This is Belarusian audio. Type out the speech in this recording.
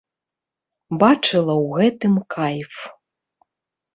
Бачыла ў гэтым кайф.